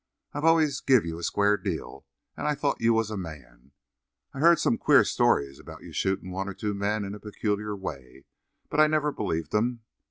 I've always give you a square deal, and I thought you was a man. I've heard some queer stories about you shootin' one or two men in a peculiar way, but I never believed 'em.